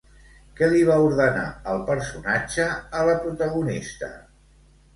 Què li va ordenar el personatge a la protagonista?